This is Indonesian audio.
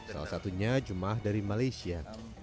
salah satunya jemaah dari malaysia